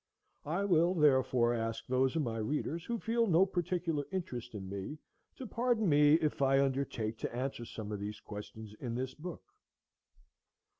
I will therefore ask those of my readers who feel no particular interest in me to pardon me if I undertake to answer some of these questions in this book.